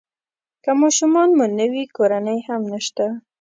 که ماشومان مو نه وي کورنۍ هم نشته.